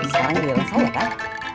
sekarang gila enak gak